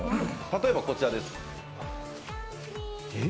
例えばこちらです。